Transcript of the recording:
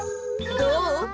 どう？